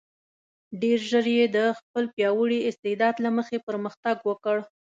ډېر ژر یې د خپل پیاوړي استعداد له مخې پرمختګ وکړ.